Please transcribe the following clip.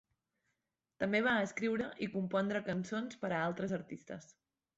També va escriure i compondre cançons per a altres artistes.